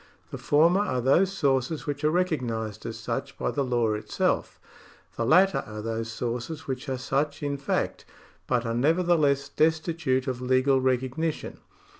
The former are those sources which are recognised as such by the 117 118 THE SOURCES OF LAW [§45 law itself. The latter are those sources which are such in fact, but are nevertheless destitute of legal recognition.